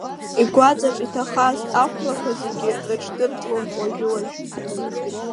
Игәаҵаҿы иҭахаз ахәрақәа зегьы рыҽдыртлон уажәыуажәы.